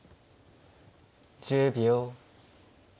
１０秒。